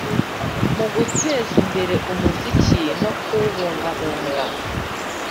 mu guteza imbere umuziki no kuwubungabunga.